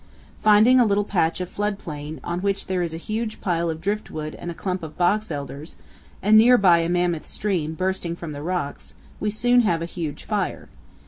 Finding a little patch of flood plain, on which there is a huge pile of driftwood and a clump of box elders, and near by a mammoth stream bursting from the rocks, we soon have a huge fire.